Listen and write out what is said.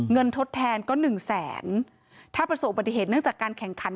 ทดแทนก็หนึ่งแสนถ้าประสบปฏิเหตุเนื่องจากการแข่งขัน